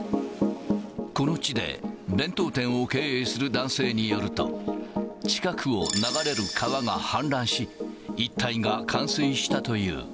この地で弁当店を経営する男性によると、近くを流れる川が氾濫し、この辺まで。